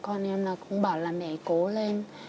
con em là cũng bảo là mẹ cố lên